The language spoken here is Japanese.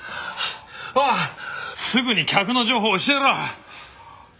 おいすぐに客の情報を教えろ！